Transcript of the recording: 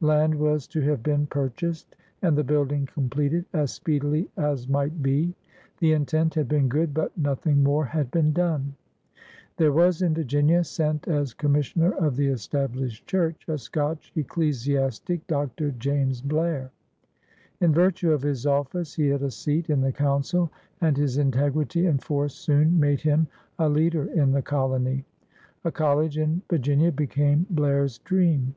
Land was to have been purchased and the building completed as speedily as might be. The intent had been good, but noth ing more had been done. There wa^ in Virginia, sent a^ Commissioner of ALEXANDER SPOTSWOOD 815 the Established Church, a Scotch ecclesiastic, Dr. James Blair. In virtue of his office he had a seat in the Council, and his integrity and force soon made him a leader in the colony. A collie in Vir ginia became Blair's dream.